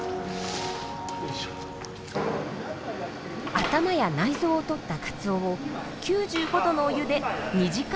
頭や内臓を取ったカツオを９５℃のお湯で２時間ほど煮ます。